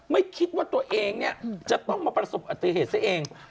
ไม่คิดว่าตัวเองเนี่ยจะต้องมาประสบอติเหตุซะเอง